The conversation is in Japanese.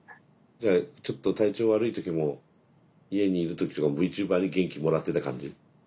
じゃあちょっと体調悪い時も家に居る時とかもＶＴｕｂｅｒに元気もらってた感じ？